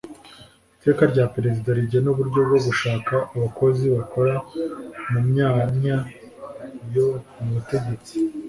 iteka rya perezida rigena uburyo bwo gushaka abakozi bakora mu myanya yo mu butegetsi.